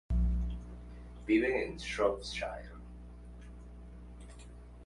Viven en Shropshire.